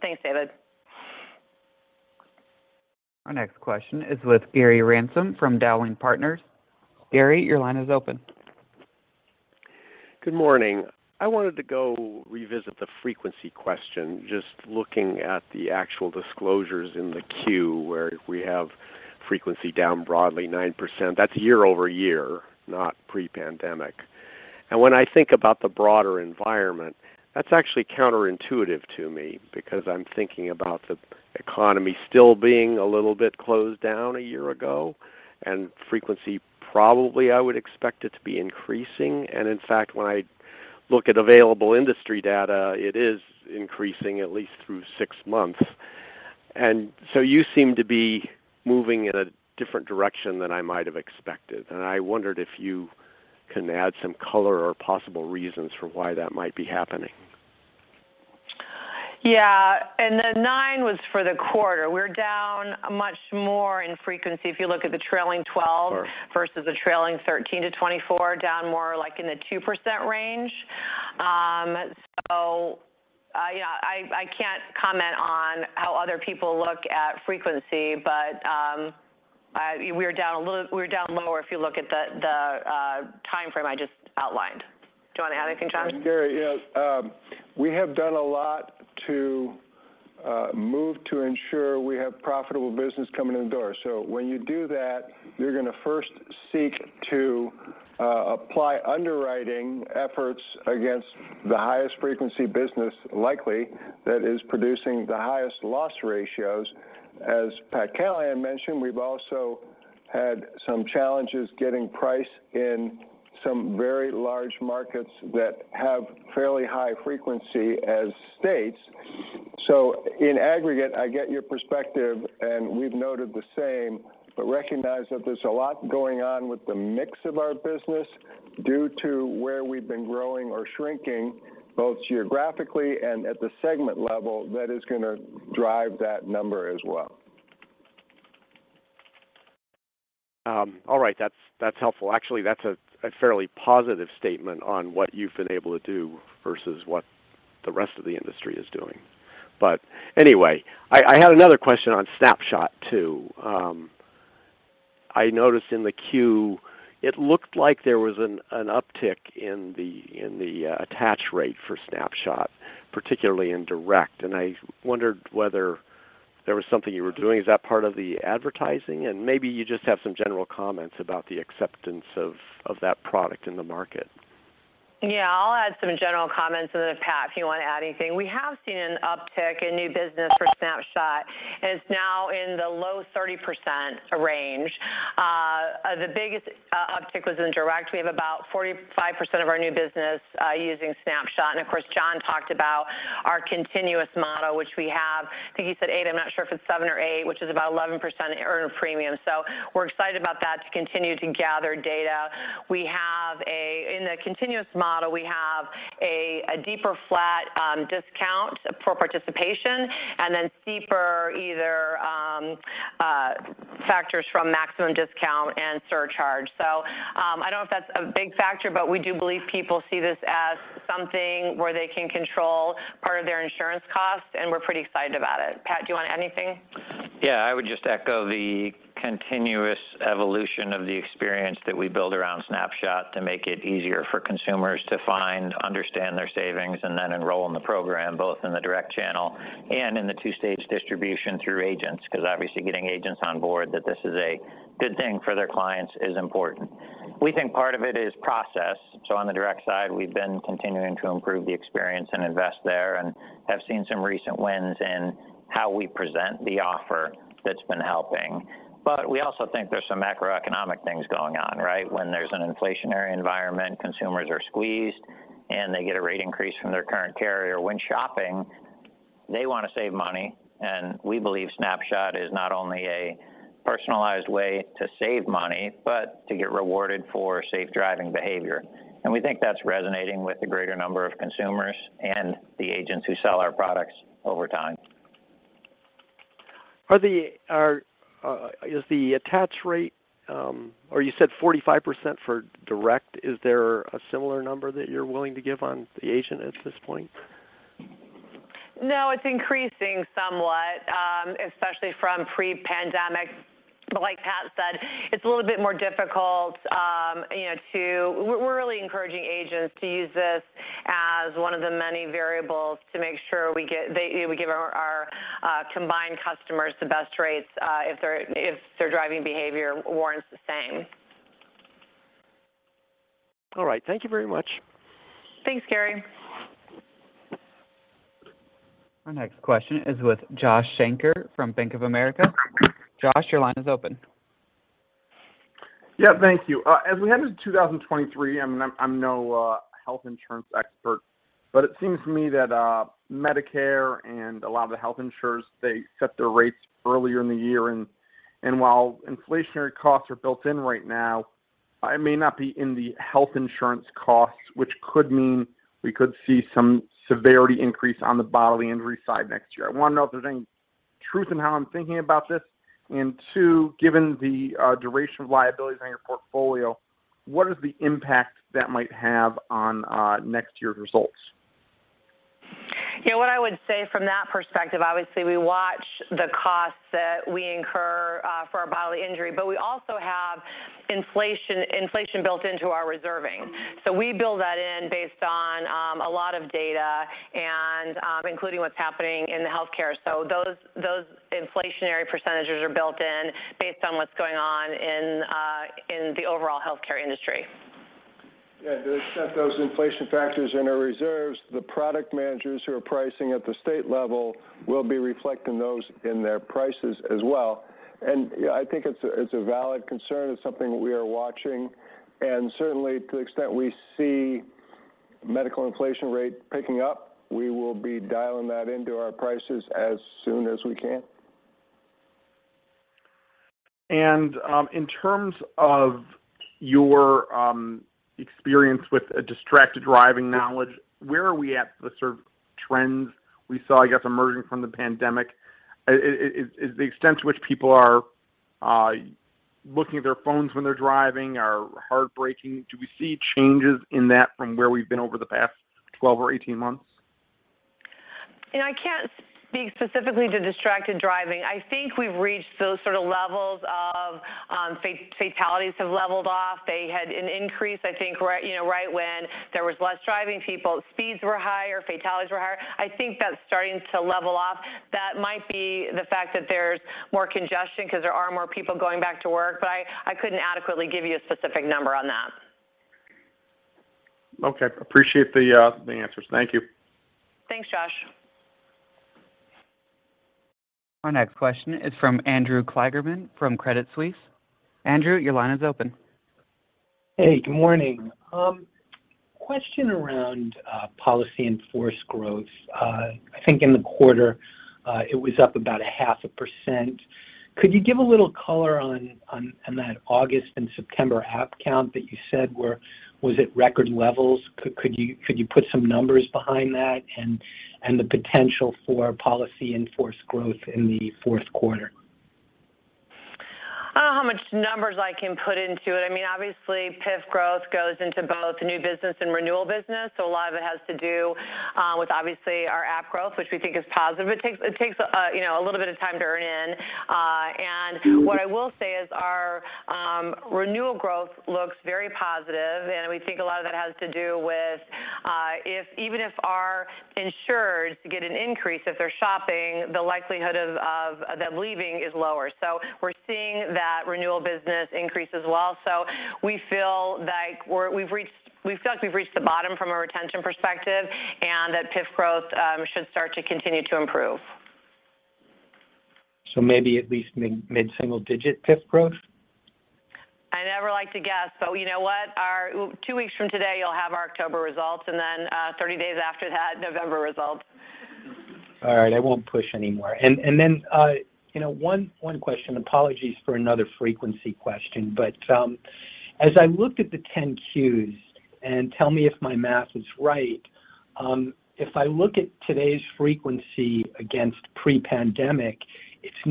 Thanks, David. Our next question is with Gary Ransom from Dowling & Partners. Gary, your line is open. Good morning. I wanted to go revisit the frequency question, just looking at the actual disclosures in the queue where we have frequency down broadly 9%. That's year over year, not pre-pandemic. When I think about the broader environment, that's actually counterintuitive to me because I'm thinking about the economy still being a little bit closed down a year ago, and frequency, probably I would expect it to be increasing. In fact, when I look at available industry data, it is increasing at least through six months. You seem to be moving in a different direction than I might have expected. I wondered if you can add some color or possible reasons for why that might be happening. Yeah. The 9% was for the quarter. We're down much more in frequency if you look at the trailing 12 versus the trailing 13 to 24, down more like in the 2% range. I can't comment on how other people look at frequency, but we're down lower if you look at the timeframe I just outlined. Do you want to add anything, John? Gary, yeah. We have done a lot to move to ensure we have profitable business coming in the door. When you do that, you're going to first seek to apply underwriting efforts against the highest frequency business likely that is producing the highest loss ratios. As Pat Callahan had mentioned, we've also had some challenges getting price in some very large markets that have fairly high frequency as states. In aggregate, I get your perspective, and we've noted the same, but recognize that there's a lot going on with the mix of our business due to where we've been growing or shrinking, both geographically and at the segment level that is gonna drive that number as well. All right. That's helpful. Actually, that's a fairly positive statement on what you've been able to do versus what the rest of the industry is doing. Anyway, I had another question on Snapshot, too. I noticed in the Q, it looked like there was an uptick in the attach rate for Snapshot, particularly in direct. I wondered whether there was something you were doing. Is that part of the advertising? Maybe you just have some general comments about the acceptance of that product in the market. Yeah. I'll add some general comments, and then Pat, if you want to add anything. We have seen an uptick in new business for Snapshot. It's now in the low 30% range. The biggest uptick was in direct. We have about 45% of our new business using Snapshot. Of course, John talked about our continuous model, which we have. I think he said eight. I'm not sure if it's seven or eight, which is about 11% earned premium. We're excited about that to continue to gather data. In the continuous model, we have a deeper flat discount for participation, and then steeper tier factors from maximum discount and surcharge. I don't know if that's a big factor, but we do believe people see this as something where they can control part of their insurance costs, and we're pretty excited about it. Pat, do you want to add anything? Yeah. I would just echo the continuous evolution of the experience that we build around Snapshot to make it easier for consumers to find, understand their savings, and then enroll in the program, both in the direct channel and in the two-stage distribution through agents. Because obviously getting agents on board that this is a good thing for their clients is important. We think part of it is process. On the direct side, we've been continuing to improve the experience and invest there and have seen some recent wins in how we present the offer that's been helping. We also think there's some macroeconomic things going on, right? When there's an inflationary environment, consumers are squeezed, and they get a rate increase from their current carrier. When shopping, they wanna save money, and we believe Snapshot is not only a personalized way to save money, but to get rewarded for safe driving behavior. We think that's resonating with a greater number of consumers and the agents who sell our products over time. Is the attach rate, or you said 45% for direct, is there a similar number that you're willing to give on the agent at this point? No, it's increasing somewhat, especially from pre-pandemic. Like Pat said, it's a little bit more difficult. We're really encouraging agents to use this as one of the many variables to make sure we give our combined customers the best rates, if their driving behavior warrants the same. All right. Thank you very much. Thanks, Gary. Our next question is with Joshua Shanker from Bank of America. Josh, your line is open. Yeah. Thank you. As we head into 2023, I mean, I'm no health insurance expert, but it seems to me that Medicare and a lot of the health insurers, they set their rates earlier in the year. While inflationary costs are built in right now, it may not be in the health insurance costs, which could mean we could see some severity increase on the bodily injury side next year. I wanna know if there's any truth in how I'm thinking about this. Two, given the duration of liabilities on your portfolio, what is the impact that might have on next year's results? Yeah. What I would say from that perspective, obviously, we watch the costs that we incur for our bodily injury, but we also have inflation built into our reserving. We build that in based on a lot of data and including what's happening in the healthcare. Those inflationary percentages are built in based on what's going on in the overall healthcare industry. Yeah. To accept those inflation factors in our reserves, the product managers who are pricing at the state level will be reflecting those in their prices as well. I think it's a, it's a valid concern. It's something we are watching. Certainly, to the extent we see medical inflation rate picking up, we will be dialing that into our prices as soon as we can. In terms of your experience with distracted driving now, where are we at the sort of trends we saw, I guess, emerging from the pandemic? Is the extent to which people are looking at their phones when they're driving or hard braking, do we see changes in that from where we've been over the past 12 or 18 months? You know, I can't speak specifically to distracted driving. I think we've reached those sort of levels of fatalities have leveled off. They had an increase, I think, right, you know, right when there was less driving, people speeds were higher, fatalities were higher. I think that's starting to level off. That might be the fact that there's more congestion 'cause there are more people going back to work, but I couldn't adequately give you a specific number on that. Okay. Appreciate the answers. Thank you. Thanks, Josh. Our next question is from Andrew Kligerman from Credit Suisse. Andrew, your line is open. Hey, good morning. Question around policy-in-force growth. I think in the quarter, it was up about 0.5%. Could you give a little color on that August and September app count that you said was at record levels? Could you put some numbers behind that and the potential for policy-in-force growth in the fourth quarter? I don't know how much numbers I can put into it. I mean, obviously, PIF growth goes into both new business and renewal business, so a lot of it has to do with obviously our app growth, which we think is positive. It takes, you know, a little bit of time to earn in. What I will say is our renewal growth looks very positive, and we think a lot of that has to do with even if our insureds get an increase, if they're shopping, the likelihood of them leaving is lower. We're seeing that renewal business increase as well. We feel like we've reached the bottom from a retention perspective, and that PIF growth should start to continue to improve. Maybe at least mid-single digit PIF growth? I never like to guess, but you know what? Our two weeks from today, you'll have our October results, and then, 30 days after that, November results. All right. I won't push anymore. Then one question. Apologies for another frequency question. As I looked at the Form 10-Qs, and tell me if my math is right, if I look at today's frequency against pre-pandemic, it's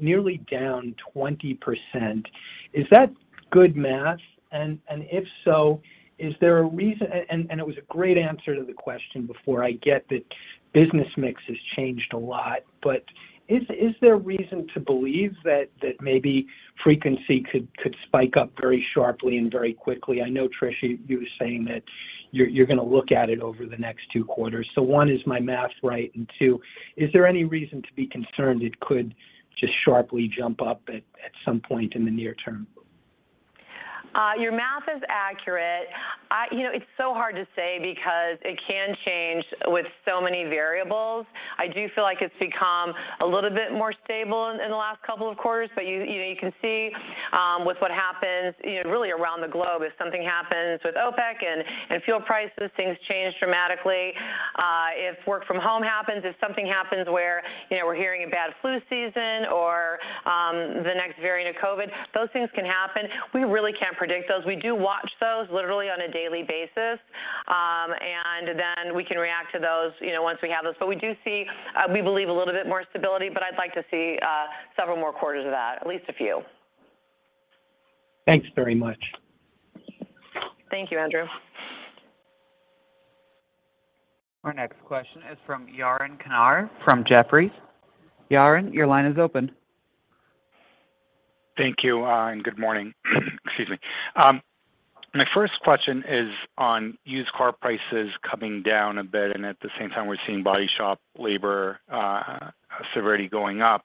nearly down 20%. Is that good math? If so, is there a reason. It was a great answer to the question before. I get that business mix has changed a lot. Is there reason to believe that maybe frequency could spike up very sharply and very quickly? I know, Tricia, you were saying that you're gonna look at it over the next two quarters. Is my math right? Two, is there any reason to be concerned it could just sharply jump up at some point in the near term? Your math is accurate. You know, it's so hard to say because it can change with so many variables. I do feel like it's become a little bit more stable in the last couple of quarters. You know, you can see with what happens, you know, really around the globe, if something happens with OPEC and fuel prices, things change dramatically. If work from home happens, if something happens where, you know, we're hearing a bad flu season or the next variant of COVID, those things can happen. We really can't predict those. We do watch those literally on a daily basis, and then we can react to those, you know, once we have those. We do see, we believe a little bit more stability, but I'd like to see several more quarters of that, at least a few. Thanks very much. Thank you, Andrew. Our next question is from Yaron Kinar from Jefferies. Yaron, your line is open. Thank you, and good morning. Excuse me. My first question is on used car prices coming down a bit, and at the same time we're seeing body shop labor severity going up.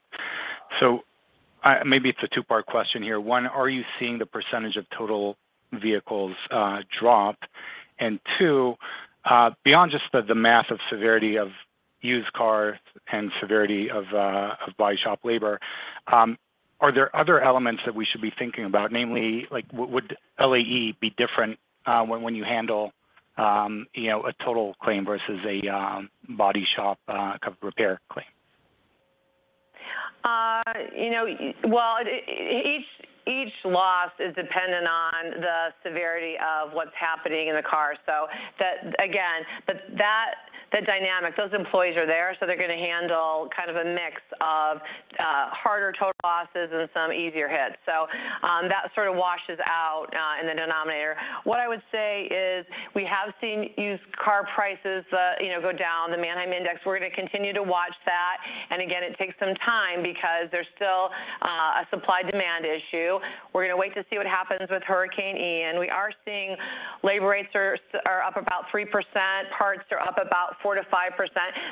Maybe it's a two-part question here. One, are you seeing the percentage of total vehicles drop? Two, beyond just the massive severity of used cars and severity of body shop labor, are there other elements that we should be thinking about, namely like would LAE be different, when you handle, you know, a total claim versus a body shop repair claim? You know, each loss is dependent on the severity of what's happening in the car. The dynamics, those employees are there, so they're gonna handle kind of a mix of harder total losses and some easier hits. That sort of washes out in the denominator. What I would say is we have seen used car prices, you know, go down, the Manheim Index. We're gonna continue to watch that. Again, it takes some time because there's still a supply-demand issue. We're gonna wait to see what happens with Hurricane Ian. We are seeing labor rates are up about 3%, parts are up about 4% to 5%.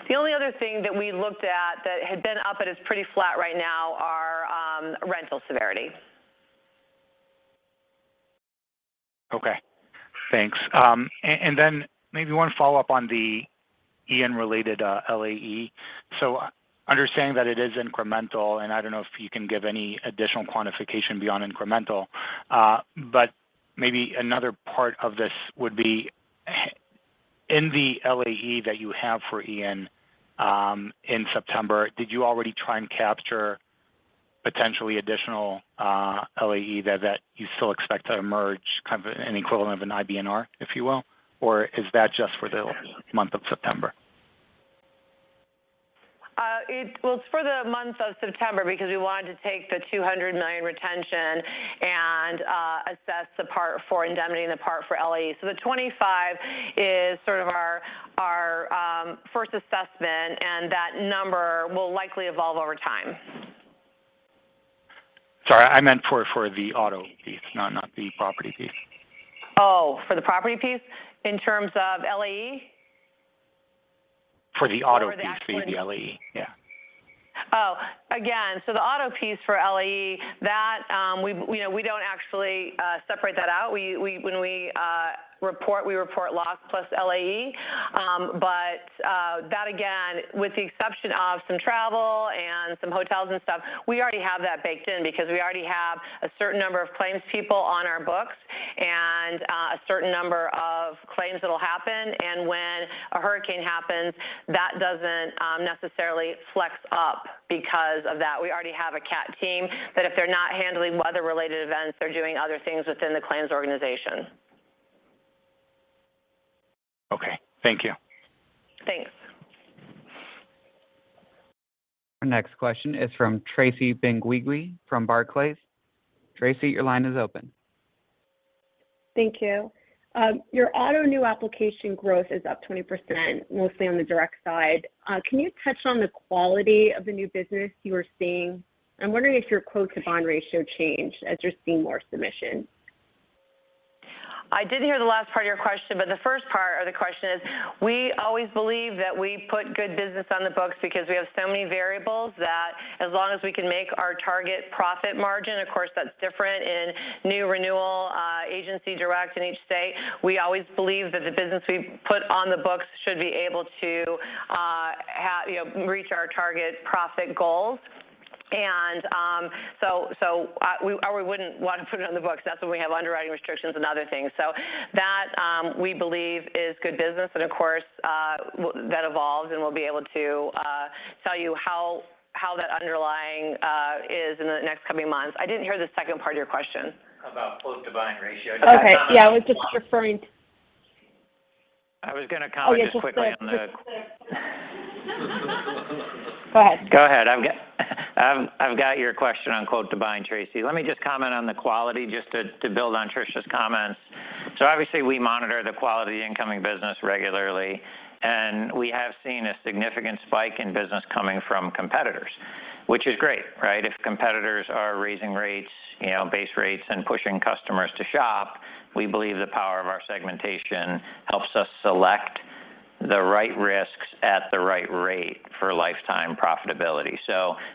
The only other thing that we looked at that had been up and is pretty flat right now are rental severity. Okay. Thanks. Maybe one follow-up on the Ian-related LAE. Understanding that it is incremental, and I don't know if you can give any additional quantification beyond incremental, but maybe another part of this would be in the LAE that you have for Ian, in September, did you already try and capture potentially additional LAE that you still expect to emerge, kind of an equivalent of an IBNR, if you will? Or is that just for the month of September? It's for the month of September because we wanted to take the $200 million retention and assess the part for indemnity and the part for LAE. The $25 million is sort of our first assessment, and that number will likely evolve over time. Sorry, I meant for the auto piece, not the property piece. Oh, for the property piece? In terms of LAE? For the auto piece. Or the actual- the LAE. Yeah. Oh. Again, the auto piece for LAE, that. You know, we don't actually separate that out. When we report, we report loss plus LAE. But that again, with the exception of some travel and some hotels and stuff, we already have that baked in because we already have a certain number of claims people on our books and a certain number of claims that'll happen. When a hurricane happens, that doesn't necessarily flex up because of that. We already have a CAT team that, if they're not handling weather-related events, they're doing other things within the claims organization. Okay. Thank you. Thanks. Our next question is from Tracy Benguigui from Barclays. Tracy, your line is open. Thank you. Your auto new application growth is up 20%, mostly on the direct side. Can you touch on the quality of the new business you are seeing? I'm wondering if your quote-to-bind ratio changed as you're seeing more submissions. I didn't hear the last part of your question, but the first part of the question is, we always believe that we put good business on the books because we have so many variables that as long as we can make our target profit margin, of course, that's different in new renewal, agency direct in each state. We always believe that the business we put on the books should be able to, you know, reach our target profit goals. or we wouldn't want to put it on the books. That's when we have underwriting restrictions and other things. that, we believe is good business, and of course, that evolves, and we'll be able to tell you how that underlying is in the next coming months. I didn't hear the second part of your question. About quote-to-bind ratio. Okay. Yeah. I was just referring to. I was gonna comment just quickly on the. Oh, yeah. Go ahead. Go ahead. I've got your question on quote-to-bind, Tracy. Let me just comment on the quality just to build on Tricia's comments. Obviously we monitor the quality of the incoming business regularly, and we have seen a significant spike in business coming from competitors, which is great, right? If competitors are raising rates, you know, base rates and pushing customers to shop, we believe the power of our segmentation helps us select the right risks at the right rate for lifetime profitability.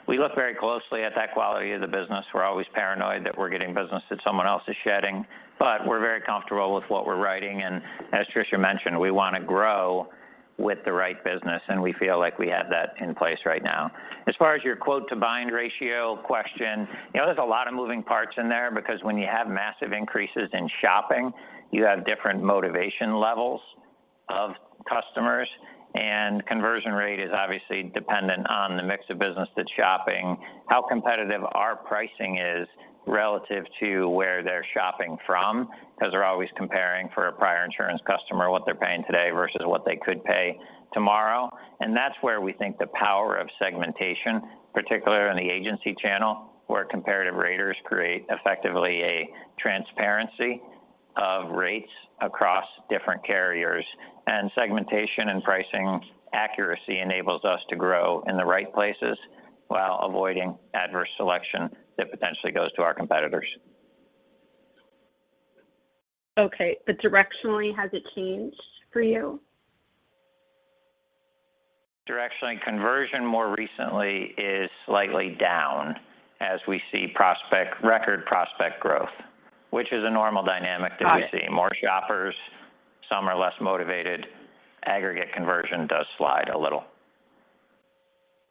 We look very closely at that quality of the business. We're always paranoid that we're getting business that someone else is shedding, but we're very comfortable with what we're writing, and as Tricia mentioned, we wanna grow with the right business, and we feel like we have that in place right now. As far as your quote-to-bind-ratio question, you know, there's a lot of moving parts in there because when you have massive increases in shopping, you have different motivation levels of customers, and conversion rate is obviously dependent on the mix of business that's shopping, how competitive our pricing is relative to where they're shopping from, 'cause they're always comparing for a prior insurance customer, what they're paying today versus what they could pay tomorrow. That's where we think the power of segmentation, particularly in the agency channel, where comparative raters create effectively a transparency of rates across different carriers. Segmentation and pricing accuracy enables us to grow in the right places while avoiding adverse selection that potentially goes to our competitors. Okay. Directionally, has it changed for you? Directionally, conversion more recently is slightly down as we see prospect, record prospect growth, which is a normal dynamic that we see. Got it. More shoppers, some are less motivated. Aggregate conversion does slide a little.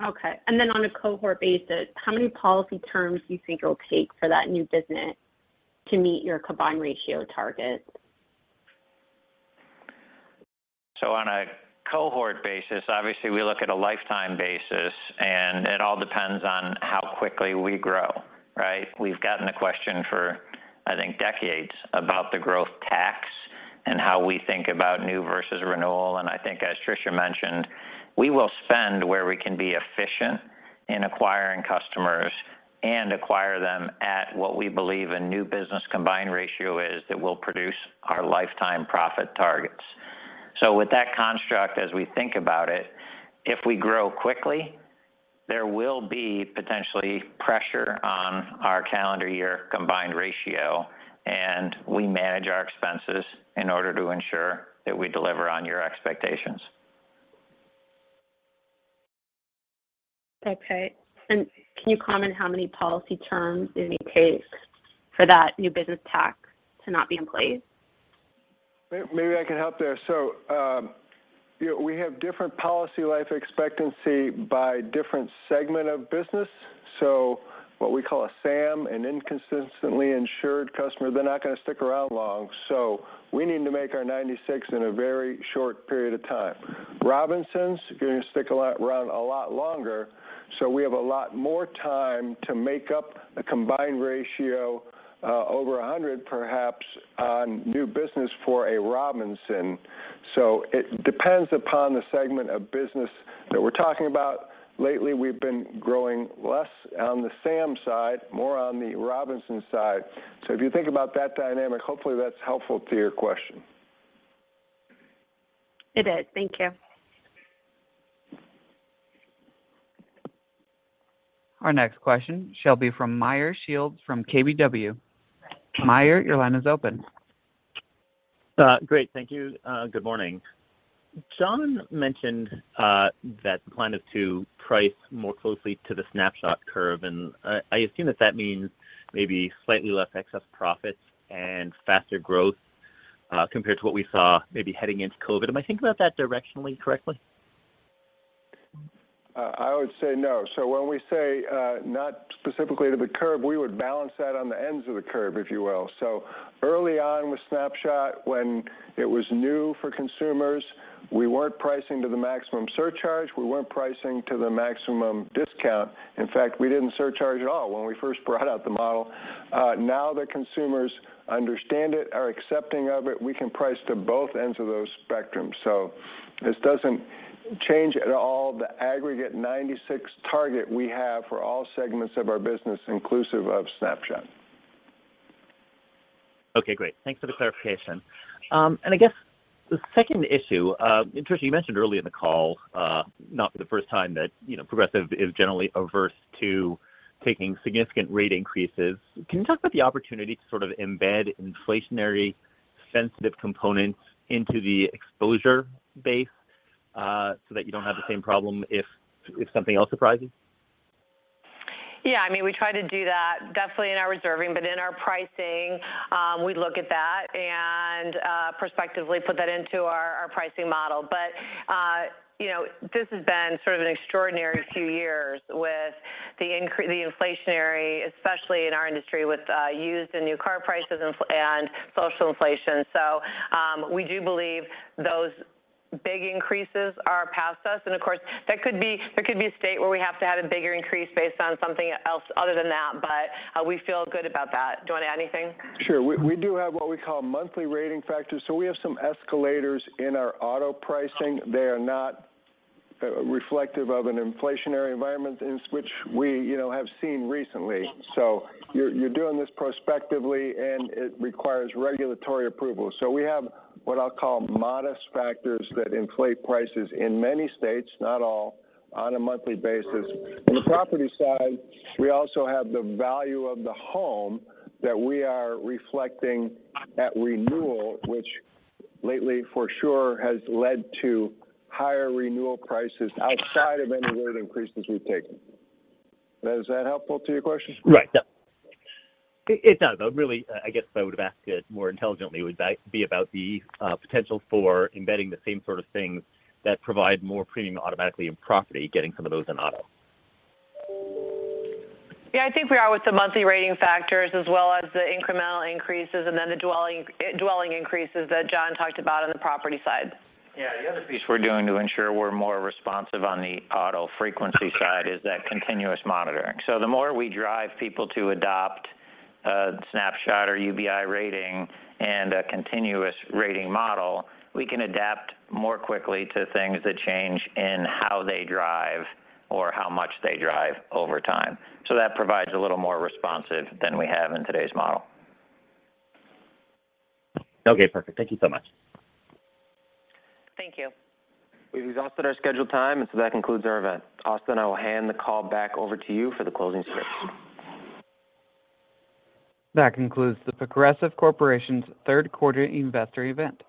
Okay. On a cohort basis, how many policy terms do you think it'll take for that new business to meet your combined ratio target? On a cohort basis, obviously we look at a lifetime basis, and it all depends on how quickly we grow, right? We've gotten the question for, I think, decades about the growth tax and how we think about new versus renewal. I think as Tricia mentioned, we will spend where we can be efficient in acquiring customers and acquire them at what we believe a new business combined ratio is that will produce our lifetime profit targets. With that construct, as we think about it, if we grow quickly, there will be potentially pressure on our calendar year combined ratio, and we manage our expenses in order to ensure that we deliver on your expectations. Okay. Can you comment how many policy terms it may take for that new business tax to not be in place? Maybe I can help there. You know, we have different policy life expectancy by different segment of business. What we call a SAM, an inconsistently insured customer, they're not gonna stick around long, so we need to make our 96 in a very short period of time. Robinsons are gonna stick around a lot longer, so we have a lot more time to make up a combined ratio over 100, perhaps, on new business for a Robinson. It depends upon the segment of business that we're talking about. Lately, we've been growing less on the SAM side, more on the Robinson side. If you think about that dynamic, hopefully that's helpful to your question. It is. Thank you. Our next question shall be from Meyer Shields from KBW. Meyer, your line is open. Great. Thank you. Good morning. John mentioned that the plan is to price more closely to the Snapshot curve, and I assume that means maybe slightly less excess profits and faster growth, compared to what we saw maybe heading into COVID. Am I thinking about that directionally correctly? I would say no. When we say, not specifically to the curve, we would balance that on the ends of the curve, if you will. Early on with Snapshot, when it was new for consumers, we weren't pricing to the maximum surcharge, we weren't pricing to the maximum discount. In fact, we didn't surcharge at all when we first brought out the model. Now that consumers understand it, are accepting of it, we can price to both ends of those spectrums. This doesn't change at all the aggregate 96% target we have for all segments of our business, inclusive of Snapshot. Okay, great. Thanks for the clarification. I guess the second issue, and Tricia, you mentioned earlier in the call, not for the first time, that, you know, Progressive is generally averse to taking significant rate increases. Can you talk about the opportunity to sort of embed inflationary sensitive components into the exposure base, so that you don't have the same problem if something else arises? Yeah, I mean, we try to do that definitely in our reserving, but in our pricing, we look at that and prospectively put that into our pricing model. But you know, this has been sort of an extraordinary few years with the inflationary, especially in our industry with used and new car prices and social inflation. So we do believe those big increases are past us, and of course, that could be, there could be a state where we have to have a bigger increase based on something else other than that, but we feel good about that. Do you wanna add anything? Sure. We do have what we call monthly rating factors, so we have some escalators in our auto pricing. They are not reflective of an inflationary environment in which we, you know, have seen recently. You're doing this prospectively, and it requires regulatory approval. We have what I'll call modest factors that inflate prices in many states, not all, on a monthly basis. On the property side, we also have the value of the home that we are reflecting at renewal, which lately for sure has led to higher renewal prices outside of any rate increases we've taken. Is that helpful to your questions? Right. No, it does. Really, I guess if I would've asked it more intelligently would be about the potential for embedding the same sort of things that provide more premium automatically in property, getting some of those in auto. Yeah, I think we are with the monthly rating factors as well as the incremental increases and then the dwelling increases that John talked about on the property side. Yeah. The other piece we're doing to ensure we're more responsive on the auto frequency side is that continuous monitoring. The more we drive people to adopt, Snapshot or UBI rating and a continuous rating model, we can adapt more quickly to things that change in how they drive or how much they drive over time. That provides a little more responsive than we have in today's model. Okay, perfect. Thank you so much. Thank you. We've exhausted our scheduled time, and so that concludes our event. Austin, I will hand the call back over to you for the closing script. That concludes The Progressive Corporation's third quarter investor event.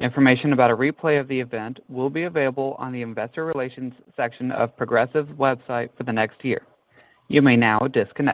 Information about a replay of the event will be available on the investor relations section of Progressive's website for the next year. You may now disconnect.